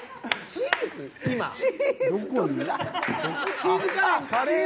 チーズカレーに。